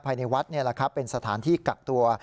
ภายในวัดนี่แหละครับเป็นสถานที่กักตัว